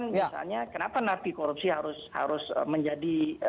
misalnya kenapa napi korupsi harus menjadi